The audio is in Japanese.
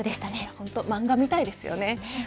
本当、漫画みたいですよね。